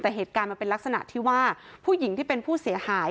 แต่เหตุการณ์มันเป็นลักษณะที่ว่าผู้หญิงที่เป็นผู้เสียหาย